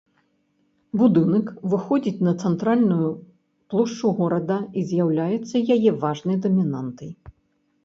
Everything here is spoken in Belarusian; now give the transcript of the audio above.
Будынак выходзіць на цэнтральную плошчу горада і з'яўляецца яе важнай дамінантай.